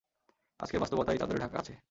আজকের বাস্তবতা এই চাদরে ডাকা আছে।